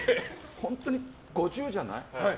本当に５０じゃない？